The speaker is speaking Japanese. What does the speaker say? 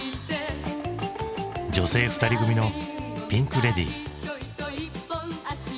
女性２人組のピンク・レディー。